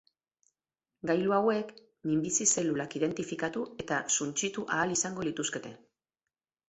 Gailu hauek minbizi-zelulak identifikatu eta suntsitu ahal izango lituzkete.